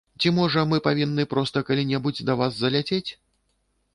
Ці можа, мы павінны проста калі-небудзь да вас заляцець?